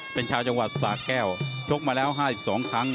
เป็นชาวจังหวัดสาแก้วชกมาแล้ว๕๒ครั้ง